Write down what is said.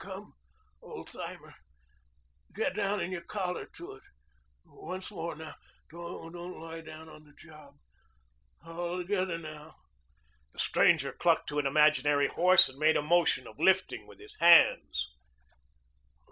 "Come, Old Timer. Get down in your collar to it. Once more now. Don't lie down on the job. All together now." The stranger clucked to an imaginary horse and made a motion of lifting with his hands.